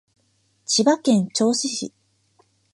千葉県銚子市